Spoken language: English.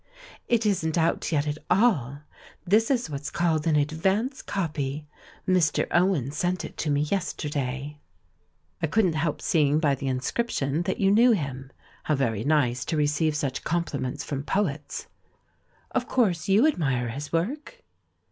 "It isn't out yet at all; this is what's called an 'advance copy'; Mr. Owen sent it to me yester day." 372 THE MAN WHO UNDERSTOOD WOMEN "I couldn't help seeing by the inscription that you knew him. How very nice to receive such compliments from poets!" "Of course you admire his work?"